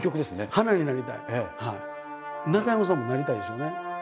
中山さんもなりたいですよね。